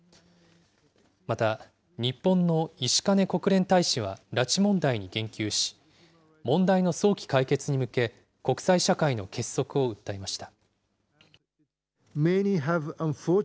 また、日本の石兼国連大使は拉致問題に言及し、問題の早期解決に向け、国際社会の結束を訴えました。